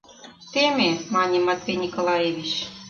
— Теме, — мане Матвей Николаевич.